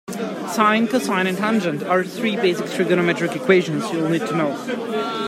Sine, cosine and tangent are three basic trigonometric equations you'll need to know.